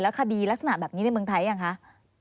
คดีลักษณะแบบนี้ในเมืองไทยยังคะ